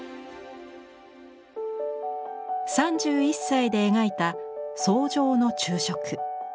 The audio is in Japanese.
３１歳で描いた「草上の昼食」。